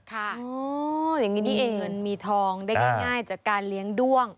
อย่างนี้นี่เองเงินมีทองได้ง่ายจากการเลี้ยงด้วง